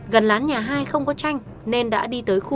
gần lán nhà hai không có chanh nên đã đi tới khu vực